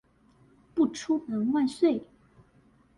不出門萬歲